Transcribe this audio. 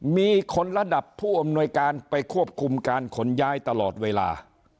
มีคนระดับผู้อำนวยการไปควบคุมการขนย้ายตลอดเวลา